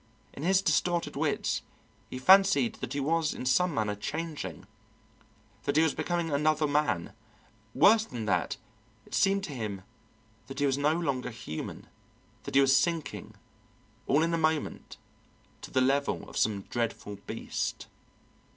In his distorted wits he fancied that he was in some manner changing, that he was becoming another man; worse than that, it seemed to him that he was no longer human, that he was sinking, all in a moment, to the level of some dreadful beast.